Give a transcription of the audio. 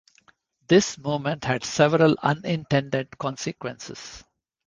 This movement had several unintended consequences.